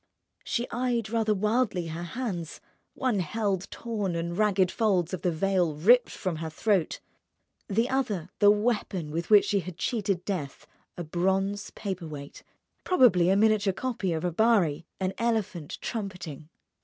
She eyed rather wildly her hands. One held torn and ragged folds of the veil ripped from her throat, the other the weapon with which she had cheated death: a bronze paperweight, probably a miniature copy of a Barye, an elephant trumpeting.